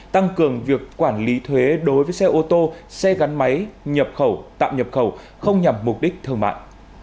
tăng cường việc quản lý thuế đối với xe ô tô xe gắn máy nhập khẩu tạm nhập khẩu không nhằm mục đích thương mại